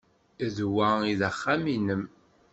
D wa ay d axxam-nnem?